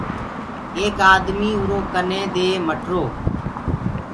ايڪ آدميٚ اُرو ڪني دي مٽرو۔